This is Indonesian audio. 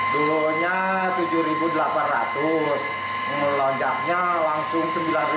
dulu tujuh delapan ratus mulai langsung sembilan lima ratus